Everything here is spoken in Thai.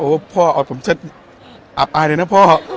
โอ้วพ่อเอาผมเชิดอับอายเลยนะพ่อ